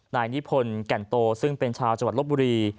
นายนิพนธ์แก่นโตซึ่งเป็นชาวจังหวัดลบบุรี